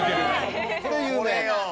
これ有名。